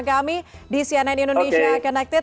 kami di cnn indonesia connected